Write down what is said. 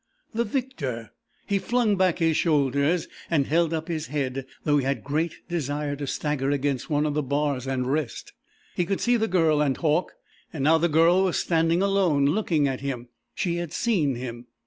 The victor! He flung back his shoulders and held up his head, though he had great desire to stagger against one of the bars and rest. He could see the Girl and Hauck and now the girl was standing alone, looking at him. She had seen him!